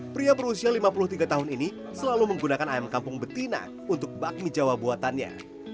pria berusia lima puluh tiga tahun ini selalu menggunakan ayam kampung betina untuk bakmi jawa buatannya